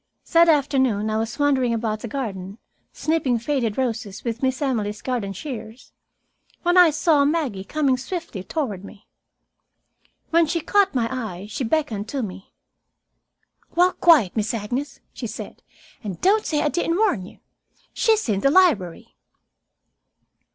That afternoon I was wandering about the garden snipping faded roses with Miss Emily's garden shears, when I saw Maggie coming swiftly toward me. When she caught my eye, she beckoned to me. "Walk quiet, Miss Agnes," she said, "and don't say I didn't warn you. She's in the library."